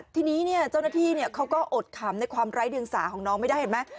ทีนี้เจ้าหน้าที่เขาก็อดขำในความไร้เดียงสาของน้องไม่ได้เห็นไหม